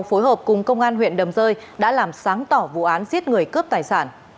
phối hợp cùng công an huyện đầm rơi đã làm sáng tỏ vụ án giết người cướp tài sản